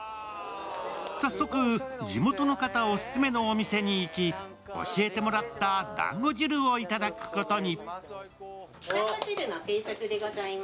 早速、地元の方オススメのお店に行き、教えてもらっただんご汁をいただくことに。